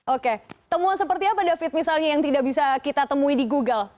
oke temuan seperti apa david misalnya yang tidak bisa kita temui di google